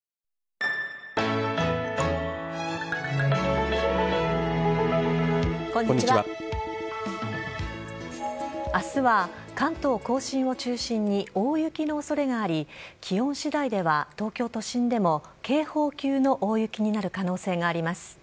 あしたは関東甲信を中心に大雪のおそれがあり、気温しだいでは、東京都心でも警報級の大雪になる可能性があります。